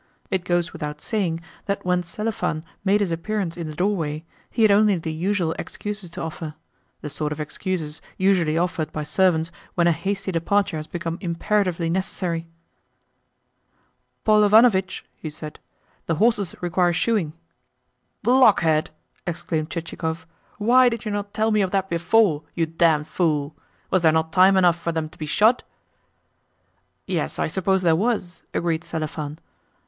It goes without saying that when Selifan made his appearance in the doorway he had only the usual excuses to offer the sort of excuses usually offered by servants when a hasty departure has become imperatively necessary. "Paul Ivanovitch," he said, "the horses require shoeing." "Blockhead!" exclaimed Chichikov. "Why did you not tell me of that before, you damned fool? Was there not time enough for them to be shod?" "Yes, I suppose there was," agreed Selifan.